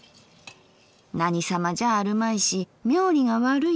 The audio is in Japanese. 『なに様じゃあるまいし冥利が悪いよ。